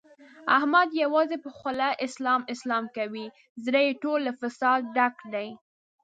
احمد یوازې په خوله اسلام اسلام کوي، زړه یې ټول له فساده ډک دی.